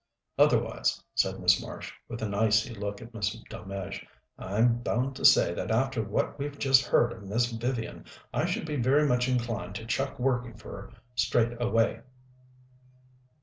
"Otherwise," said Miss Marsh, with an icy look at Miss Delmege, "I'm bound to say that after what we've just heard of Miss Vivian I should be very much inclined to chuck working for her straight away."